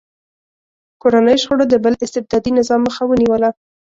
کورنیو شخړو د بل استبدادي نظام مخه ونیوله.